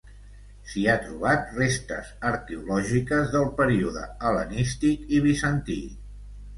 S'hi ha trobat restes arqueològiques del període hel·lenístic i bizantí.